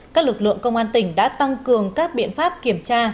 các lực lượng công an tỉnh đã tăng cường các biện pháp kiểm tra